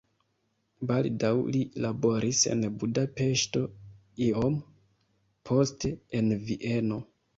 Baldaŭ li laboris en Budapeŝto, iom poste en Vieno.